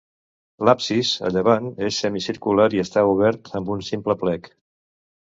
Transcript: L'absis, a llevant, és semicircular i està obert amb un simple plec.